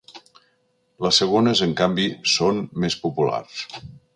Les segones, en canvi, són més populars.